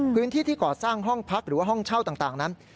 พื้นที่ที่ก่อสร้างห้องพักหรือว่าห้องเช่าต่างนั้น